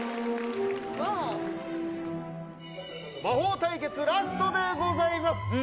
魔法対決ラストでございます。